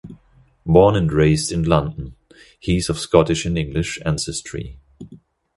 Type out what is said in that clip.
Born and raised in London, he is of Scottish and English ancestry.